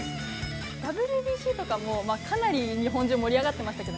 ＷＢＣとか、かなり日本中、盛り上がってましたけど。